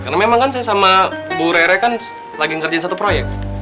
karena memang kan saya sama bu rere kan lagi ngerjain satu proyek